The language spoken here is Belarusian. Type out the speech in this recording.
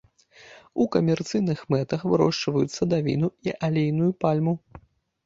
У камерцыйных мэтах вырошчваюць садавіну і алейную пальму.